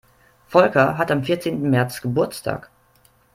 Volker hat am vierzehnten März Geburtstag.